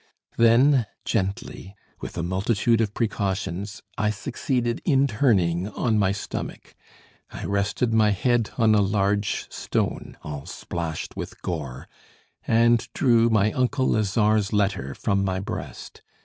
Then gently, with a multitude of precautions, I succeeded in turning on my stomach. I rested my head on a large stone all splashed with gore, and drew my uncle Lazare's letter from my breast.